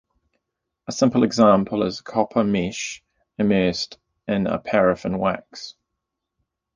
A simple example is a copper-mesh immersed in a paraffin-wax.